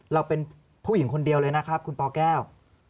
เราเป็นผู้หญิงคนเดียวเลยนะครับคุณปแก้ว